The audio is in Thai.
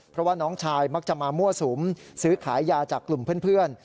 เพราะว่าน้องชายมักจะมามั่วสุมซื้อขายยาจากกลุ่มเพื่อน